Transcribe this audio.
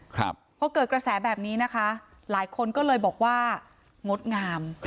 ครับพอเกิดกระแสแบบนี้นะคะหลายคนก็เลยบอกว่างดงาม